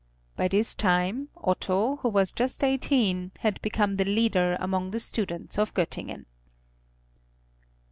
By this time Otto, who was just eighteen, had become the leader among the students of Göttingen.